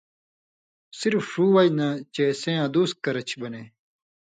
صرف ݜُو وجہۡ نہ چے سیں ادوس کرچھی بنے۔